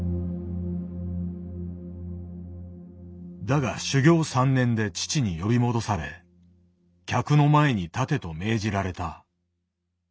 だが修業３年で父に呼び戻され「客の前に立て」と命じられた。